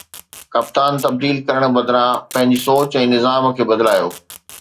ڪپتان تبديل ڪرڻ بدران پنهنجي سوچ ۽ نظام کي بدلايو